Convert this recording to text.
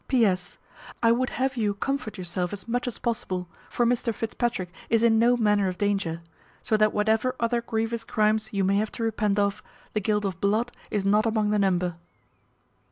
"P.S. I would have you comfort yourself as much as possible, for Mr Fitzpatrick is in no manner of danger; so that whatever other grievous crimes you may have to repent of, the guilt of blood is not among the number."